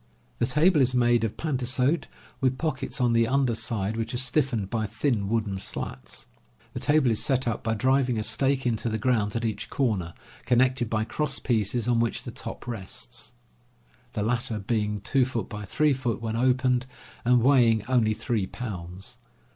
The table is made of pantasote, with pockets on the under side which are stiffened by thin wooden slats. The table is set up by driving a stake into the ground at each corner, connected by cross pieces on which the top rests, the latter being 2x3 feet when opened, and weighing only 3 pounds.